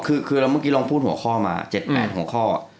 คือเมื่อกี้ลองพูดหัวข้อมา๗๘หัวข้อ